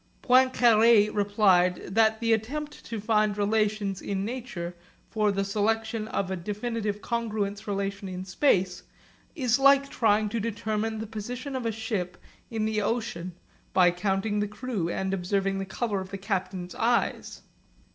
Poincaré replied that the attempt to find reasons in nature for the selection of a definite congruence relation in space is like trying to determine the position of a ship in the ocean by counting the crew and observing the colour of the captain's eyes.